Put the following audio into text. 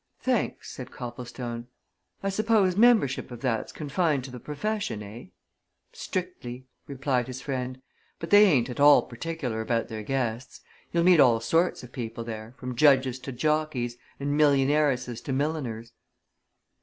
"Thanks," said Copplestone. "I suppose membership of that's confined to the profession, eh?" "Strictly," replied his friend. "But they ain't at all particular about their guests you'll meet all sorts of people there, from judges to jockeys, and millionairesses to milliners."